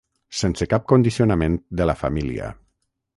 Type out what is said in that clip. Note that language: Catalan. Sense cap condicionament de la família.